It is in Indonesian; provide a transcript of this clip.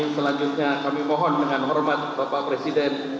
selanjutnya kami mohon dengan hormat bapak presiden